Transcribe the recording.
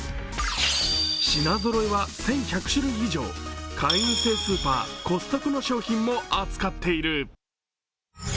品ぞろえは１１００類以上、会員制スーパー・コストコの商品も扱っている。